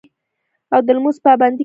او د لمونځ پابندي کوي